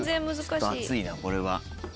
ちょっと熱いなこれは。